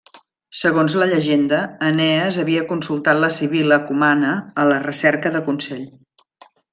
Segons la llegenda, Enees havia consultat la sibil·la cumana a la recerca de consell.